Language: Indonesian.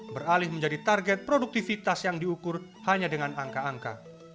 beralih menjadi target produktivitas yang diukur hanya dengan angka angka